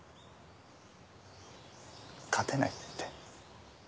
勝てないって。